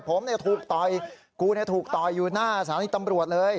ผมเนี่ยถูกต่อยกูเนี่ยถูกต่อยอยู่หน้าสถานที่ตำรวจเลย